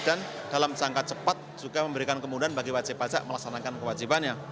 dan dalam jangka cepat juga memberikan kemudahan bagi wajib pajak melaksanakan kewajibannya